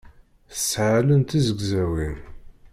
Tesɛa allen d tizegzawin.